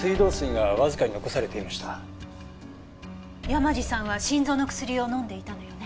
山路さんは心臓の薬を飲んでいたのよね。